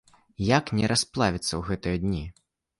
Як не расплавіцца ў гэтыя дні?